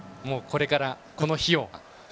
これから、この日を。